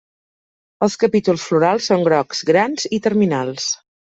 Els capítols florals són grocs, grans i terminals.